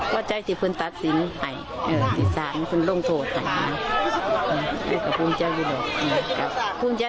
มันจะเจอแจ้งอยู่ทุกเกาล่ะ